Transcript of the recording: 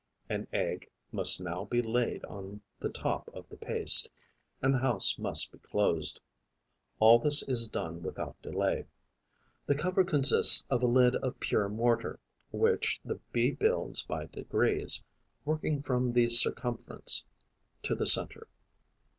An egg must now be laid on the top of the paste and the house must be closed. All this is done without delay. The cover consists of a lid of pure mortar, which the Bee builds by degrees, working from the circumference to the centre.